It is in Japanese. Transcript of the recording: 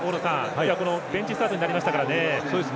今日はベンチスタートになりましたからね。